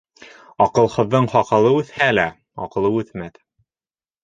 Аҡылһыҙҙың һаҡалы үҫһә лә, аҡылы үҫмәҫ.